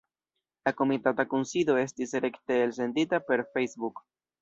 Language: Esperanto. La komitata kunsido estis rekte elsendita per Facebook.